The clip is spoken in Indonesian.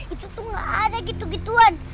itu tuh gak ada gitu gituan